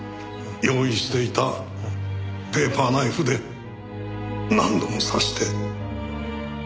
「用意していたペーパーナイフで何度も刺して殺した」